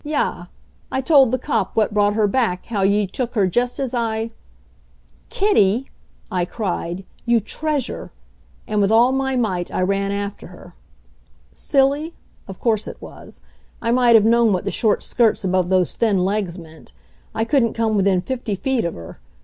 Yah! I told the cop what brought her back how ye took her jest as I " "Kitty!" I cried. "You treasure!" And with all my might I ran after her. Silly? Of course it was. I might have known what the short skirts above those thin legs meant. I couldn't come within fifty feet of her.